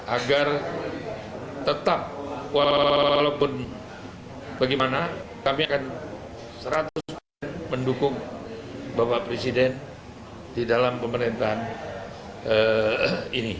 agar tetap walaupun bagaimana kami akan seratus persen mendukung bapak presiden di dalam pemerintahan ini